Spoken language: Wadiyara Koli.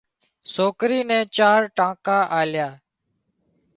سوڪري نين چار ٽانڪا آليا